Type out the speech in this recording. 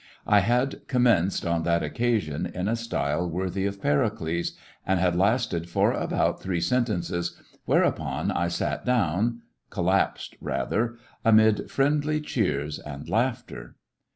I had commenced, on that occasion, in a style worthy of Pericles, and had lasted for about three sentences, whereupon I sat down— collapsed rather— amid friendly cheers and laughter.